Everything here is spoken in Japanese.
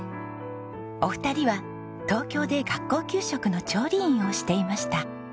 お二人は東京で学校給食の調理員をしていました。